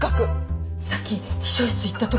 さっき秘書室行った時。